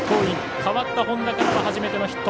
代わった本田からは初めてのヒット。